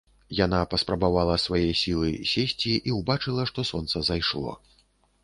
Яна паспрабавала свае сілы сесці і ўбачыла, што сонца зайшло.